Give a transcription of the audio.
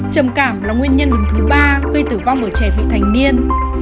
bệnh trạm là nguyên nhân đứng thứ ba gây tử vong ở trẻ vị thành niên